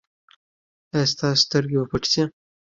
ایا ستاسو سترګې به پټې شي؟